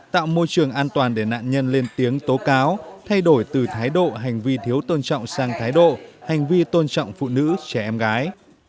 tạo môi trường an toàn để nạn nhân lên tiếng tố cáo thay đổi từ thái độ hành vi thiếu tôn trọng sang thái độ hành vi tôn trọng phụ nữ trẻ em gái